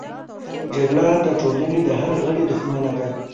جګړه د ټولنې د هر غړي دښمنه ده